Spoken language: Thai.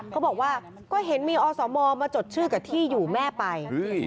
เขาบอกว่าก็เห็นมีอสมมาจดชื่อกับที่อยู่แม่ไป